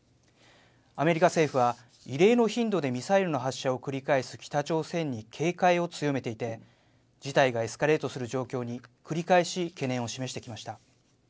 アメリカ政府は異例の頻度でミサイルの発射を繰り返す北朝鮮に警戒を強めていて事態がエスカレートする状況に繰り返し懸念を示してきました。